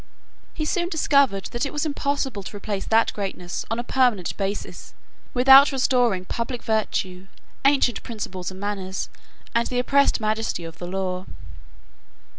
He soon discovered that it was impossible to replace that greatness on a permanent basis without restoring public virtue, ancient principles and manners, and the oppressed majesty of the laws.